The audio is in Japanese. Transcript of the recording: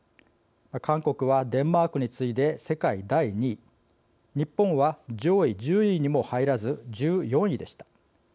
韓国はデンマークに次いで世界第２位日本は、上位１０位にも入らず１４位でした。